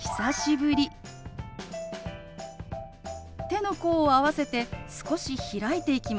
手の甲を合わせて少し開いていきます。